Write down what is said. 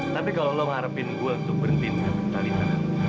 tapi kalau lo ngarepin gue untuk berhenti dengan talitha